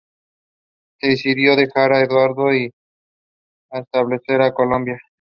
Decidió dejar Ecuador y establecerse en Colombia.